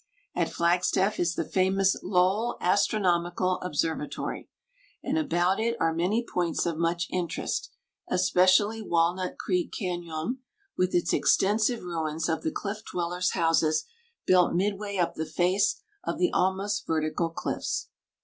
At Flagstaff is the famous Lowell Astronomical Observatory, and about it are many points of much interest, especially Walnut Creek Cañon, with its extensive ruins of the cliff dwellers' houses built midway up the face of the almost vertical cliffs.